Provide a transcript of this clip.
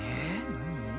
何？